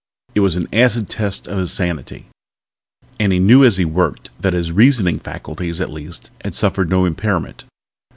It was an acid test of his sanity and he knew as he worked that his reasoning faculties at least had suffered no impairment.